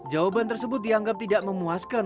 jawaban tersebut dianggap tidak memuaskan